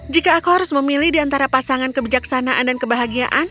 jika aku harus memilih di antara pasangan kebijaksanaan dan kebahagiaan